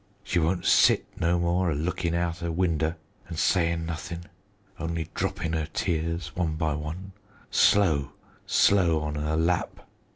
She won't sit no more a lookin' outer winder an' sayin' nothin' only droppin' 'er tears one by one, slow, slow on her lap.